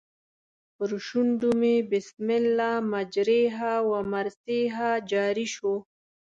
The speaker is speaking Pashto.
پر شونډو مې بسم الله مجریها و مرسیها جاري شو.